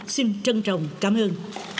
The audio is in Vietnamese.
xin trân trọng cảm ơn